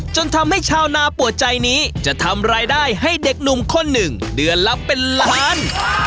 จนทำให้ชาวนาปวดใจนี้จะทำรายได้ให้เด็กหนุ่มคนหนึ่งเดือนละเป็นล้าน